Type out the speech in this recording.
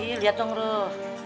iya lihat dong ruh